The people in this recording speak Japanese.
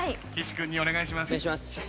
岸君にお願いします。